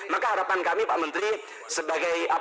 maka harapan kami pak menteri sebagai